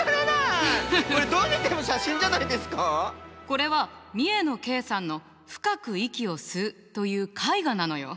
これは三重野慶さんの「深く、息を吸う」という絵画なのよ。